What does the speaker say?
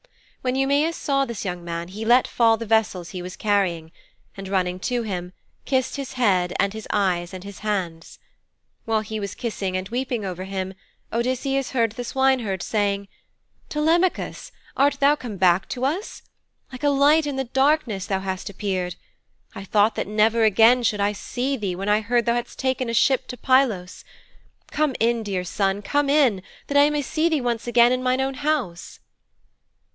When Eumæus saw this young man he let fall the vessels he was carrying, and running to him, kissed his head and his eyes and his hands. While he was kissing and weeping over him, Odysseus heard the swineherd saying: 'Telemachus, art thou come back to us? Like a light in the darkness thou hast appeared! I thought that never again should we see thee when I heard that thou hadst taken a ship to Pylos! Come in, dear son, come in, that I may see thee once again in mine house.'